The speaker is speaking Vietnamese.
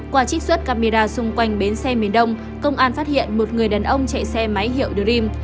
qua trích xuất camera xung quanh bến xe miền đông công an phát hiện một người đàn ông chạy xe máy hiệu dream